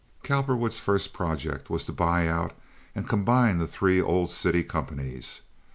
Cowperwood's first project was to buy out and combine the three old city companies.